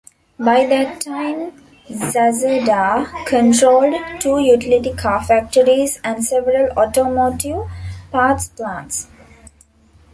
By that time Zasada controlled two utility car factories and several automotive parts plants.